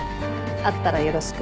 会ったらよろしく。